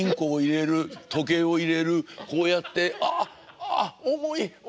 こうやって「ああああ重い重い。